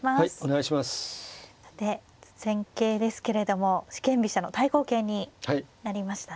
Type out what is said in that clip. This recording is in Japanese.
さて戦型ですけれども四間飛車の対抗型になりましたね。